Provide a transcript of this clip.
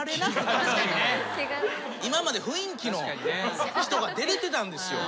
今まで雰囲気の人が出れてたんですよ。